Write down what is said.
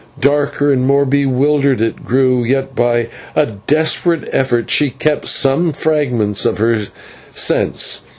Darker and more bewildered it grew, yet by a desperate effort she kept some fragment of her sense.